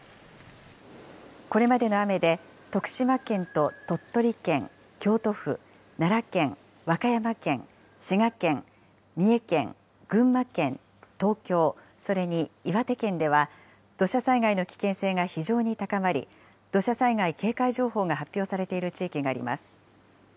これまでの雨で、徳島県と鳥取県、京都府、奈良県、和歌山県、滋賀県、三重県、群馬県、東京、それに岩手県では、土砂災害の危険性が非常に高まり、土砂災害警戒情報が発表されている地域があります。